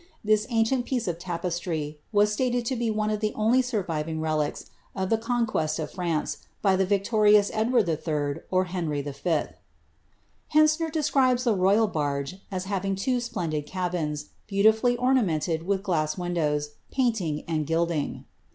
This antique piece of tapestry, was stated to be one of the only surviving relics of the con quest of France, by the victorious Edward HI. or Henry V. Hentzner describes tlie royal barge, as having two splendid cabins, beautifully ornamented with glass windows, painting, and gilding.